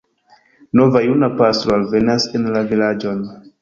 Nova juna pastro alvenas en la vilaĝon.